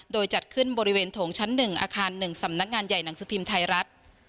โดยจัดขึ้นบริเวณโถงชั้น๑อาคาร๑สำนักงานใหญ่หนังสือพิมพ์ไทยรัฐ